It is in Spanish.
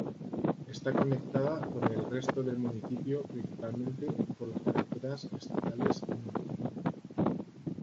Está conectada con el resto del municipio principalmente por las carreteras estatales No.